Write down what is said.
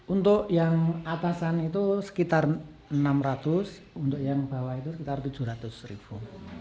untuk yang atasan itu sekitar enam ratus untuk yang bawah itu sekitar tujuh ratus ribu